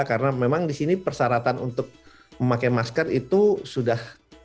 karena memang disini persyaratan untuk memakai masker itu sudah